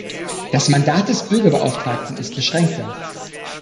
Das Mandat des Bürgerbeauftragten ist beschränkter.